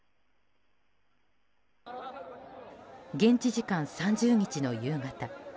現地時間３０日の夕方。